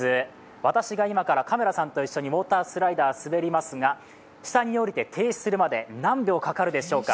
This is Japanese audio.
私が今からカメラさんと一緒にウォータースライダー、滑りますが、下に降りて停止するまで何秒かかるでしょうか。